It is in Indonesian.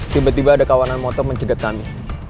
tiba tiba ada kawanan motor mencedet kami